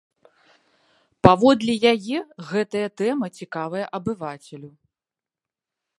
Паводле яе, гэтая тэма цікавая абывацелю.